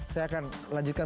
saya akan lanjutkan